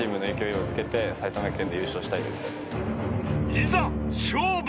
［いざ勝負！］